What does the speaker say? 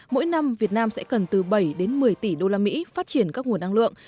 mỗi năm việt nam sẽ cần từ bảy đến một mươi tỷ đô la mỹ phát triển các nguồn năng lượng